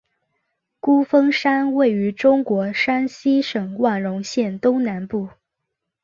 孤峰山位于中国山西省万荣县东南部。